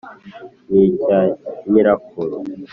ni icya nyirakuru